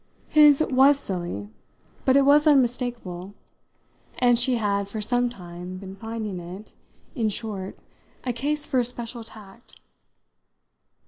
His was silly, but it was unmistakable, and she had for some time been finding it, in short, a case for a special tact.